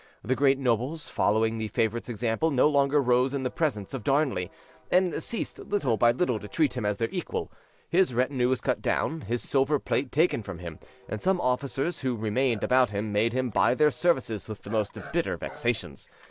The great nobles, following the favourite's example, no longer rose in the presence of Darnley, and ceased little by little to treat him as their equal: his retinue was cut down, his silver plate taken from him, and some officers who remained about him made him buy their services with the most bitter vexations.